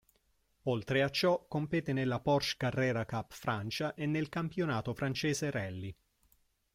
Oltre a ciò compete nella Porsche Carrera Cup Francia e nel campionato francese rally.